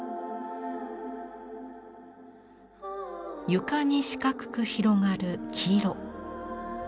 床に四角く広がる黄色。